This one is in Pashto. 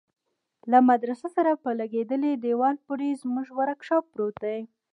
له مدرسه سره په لگېدلي دېوال پورې زموږ ورکشاپ پروت دى.